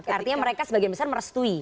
artinya mereka sebagian besar merestui